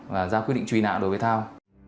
và ra quyết định truy nã đối với thao